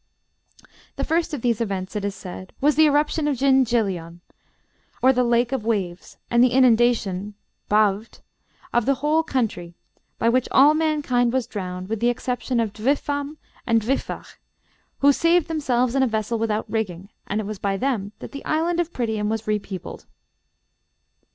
"The first of these events," it is said, "was the eruption of Llyn llion, or 'the lake of waves,' and the inundation (bawdd) of the whole country, by which all mankind was drowned with the exception of Dwyfam and Dwyfach, who saved themselves in a vessel without rigging, and it was by them that the island of Prydian was repeopled."